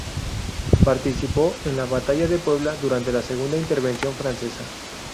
Participó en la Batalla de Puebla durante la Segunda Intervención Francesa.